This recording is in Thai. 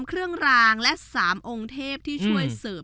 ๓เครื่องรางและ๓อง์เทพที่คุยซื้อ